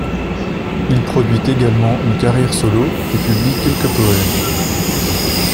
Il produit également une carrière solo et publie quelques poèmes.